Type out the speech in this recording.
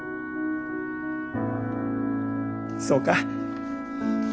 そうか。